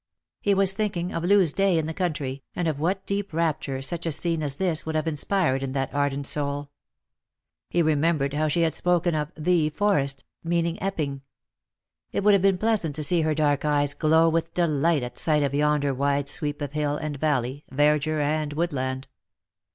He was thinking of Loo's day in the country, and of what deep rapture such a scene as this would have inspired in that ardent soul. He re membered how she had spoken of the Forest, meaning Epping. It would have been pleasant to see her dark eyes glow with delight at sight of yonder wide sweep of hill and valley, ver dure and woodland.